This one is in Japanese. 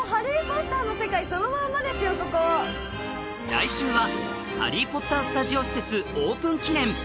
来週は「ハリー・ポッター」スタジオ施設オープン記念